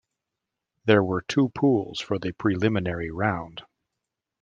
There were two pools for the preliminary round.